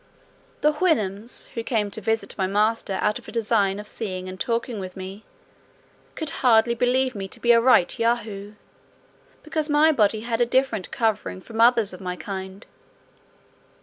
The Houyhnhnms, who came to visit my master out of a design of seeing and talking with me, could hardly believe me to be a right Yahoo, because my body had a different covering from others of my kind.